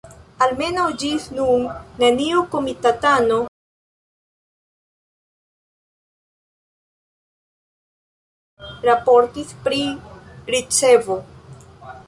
Almenaŭ ĝis nun neniu komitatano raportis pri ricevo.